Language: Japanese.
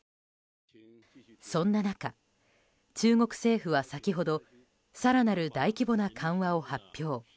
そんな中、中国政府は先ほど更なる大規模な緩和を発表。